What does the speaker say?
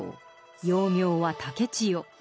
幼名は竹千代。